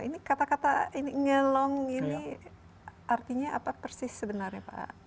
ini kata kata ini ngelong ini artinya apa persis sebenarnya pak